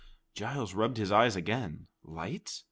Giles rubbed his eyes again. Lights?